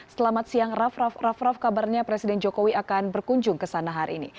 selamat siang raff raff raff raff kabarnya presiden jokowi akan berkunjung ke sana hari ini